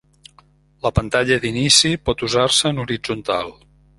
La pantalla d'inici pot usar-se en horitzontal.